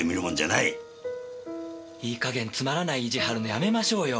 いい加減つまらない意地張るのやめましょうよ。